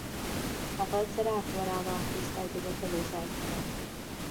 هغه څراغ راواخیست او د وتلو ځای ته راغی.